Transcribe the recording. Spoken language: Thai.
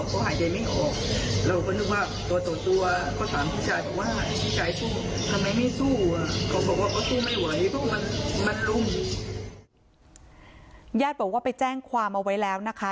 ว่าไม่ไหว๑๒๑มิถุนายนของสวัสดิ์ยักษ์บอกว่าไปแจ้งความออกไว้แล้วนะคะ